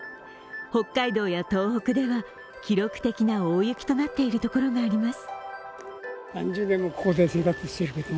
北海道や東北では記録的な大雪となっている所があります。